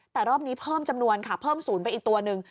แต่รอบนี้เพิ่มจำนวนค่ะเพิ่มศูนย์ไปอีกตัวหนึ่ง